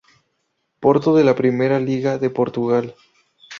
Porto de la Primeira Liga de Portugal.